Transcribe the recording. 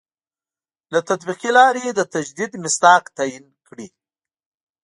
له تطبیقي لاري د تجدید مصداق تعین کړي.